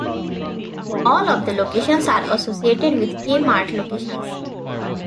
All of the locations are associated with Kmart locations.